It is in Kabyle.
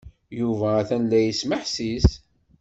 Yuba atan la yesmeḥsis.